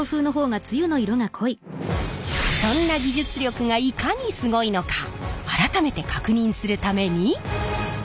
そんな技術力がいかにすごいのか改めて確認するために。